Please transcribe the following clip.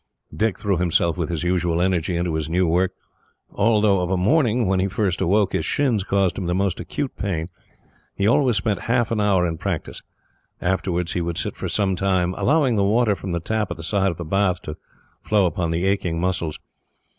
Dick threw himself with his usual energy into his new work. Although of a morning, when he first woke, his shins caused him the most acute pain, he always spent half an hour in practice. Afterwards he would sit for some time, allowing the water from the tap at the side of the bath to flow upon the aching muscles.